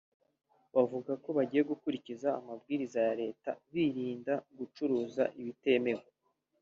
bavuga ko bagiye gukurikiza amabwiriza ya Leta birinda gucuruza ibitemewe